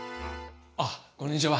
あっこんにちは。